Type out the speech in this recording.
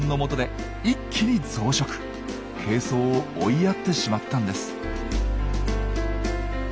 珪藻を追いやってしまったんです。